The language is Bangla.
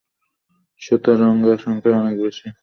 শেতাঙ্গরা সংখ্যায় অনেক বেশী।